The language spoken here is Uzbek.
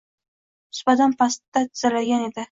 Supadan pastda tizzalagan edi